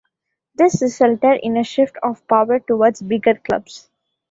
This resulted in a shift of power towards bigger clubs.